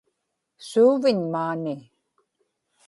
suuviñ maani